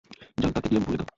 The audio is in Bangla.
যাও তাকে গিয়ে বলে দাও।